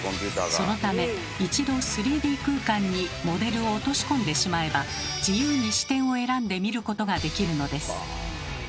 そのため一度３Ｄ空間にモデルを落とし込んでしまえば自由に視点を選んで見ることができるのです。